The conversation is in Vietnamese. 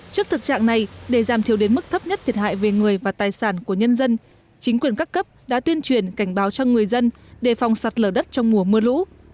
trước thực trạng này để giảm thiêu đến mức thấp nhất thiệt hại về người và tài sản của nhân dân chính quyền các cấp đã tuyên truyền cảnh báo cho người dân đề phòng sạt lở đất trong mùa mưa lũ